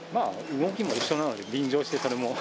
動きも一緒なので、便乗してこれも。